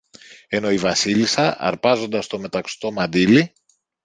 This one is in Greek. ενώ η Βασίλισσα αρπάζοντας το μεταξωτό μαντίλι